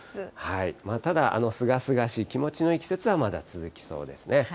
ただ、すがすがしい、気持ちのいい季節はまだ続きそうですね。